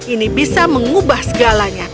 ini bisa mengubah segalanya